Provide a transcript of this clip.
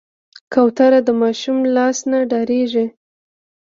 کوتره د ماشوم لاس نه ډارېږي.